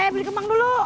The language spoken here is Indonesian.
beli kembang dulu